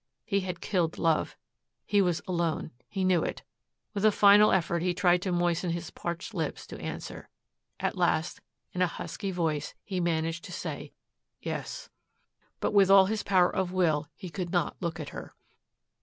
He had killed love. He was alone. He knew it. With a final effort he tried to moisten his parched lips to answer. At last, in a husky voice, he managed to say, "Yes." But with all his power of will he could not look at her.